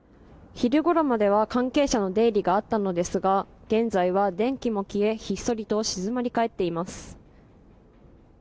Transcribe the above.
昼ごろまでは関係者の出入りがあったのですが現在は、電気も消えひっそりと静まり返っています。